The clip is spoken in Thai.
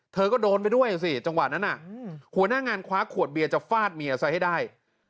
เธอก็โดนไปด้วยสิจังหวะนั้นหัวหน้างานคว้าขวดเบียร์จะฟาดเมียซะให้ได้